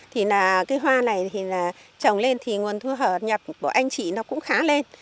thì là cây hoa này thì là trồng lên thì nguồn thu hợp nhập của anh chị nó cũng khá lên